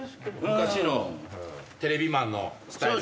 昔のテレビマンのスタイル。